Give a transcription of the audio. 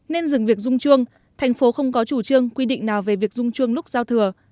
nên dừng việc dung chuông thành phố không có chủ trương quy định nào về việc dung chuông lúc giao thừa